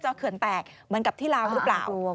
เขื่อนแตกเหมือนกับที่ลาวหรือเปล่า